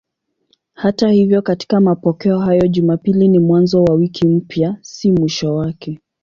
Hata hivyo katika mapokeo hayo Jumapili ni mwanzo wa wiki mpya, si mwisho wake.